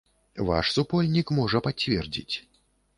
Ваш супольнік можа пацвердзіць.